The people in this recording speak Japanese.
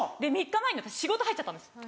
３日前に私仕事入っちゃったんです。